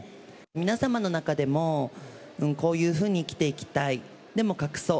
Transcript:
皆様の中でも、こういうふうに生きていきたい、でも隠そう。